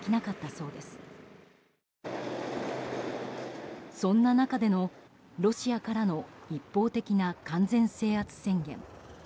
そんな中での、ロシアからの一方的な完全制圧宣言。